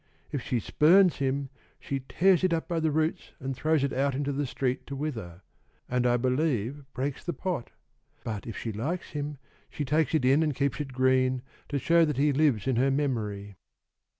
If she spurns him, she tears it up by the roots and throws it out in the street to wither, and I believe breaks the pot; but if she likes him, she takes it in and keeps it green, to show that he lives in her memory."